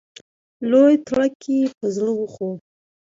لوی تړک یې په زړه وخوړ.